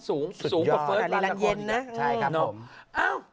สูงกว่าเฟิร์สลัดละก่อนอย่างนี้นะครับผมโอ้โหสุดยอดแต่รีลันเย็นนะใช่ครับผม